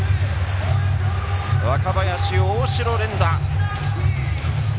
若林、大城、連打。